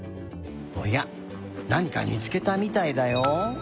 おやなにかみつけたみたいだよ。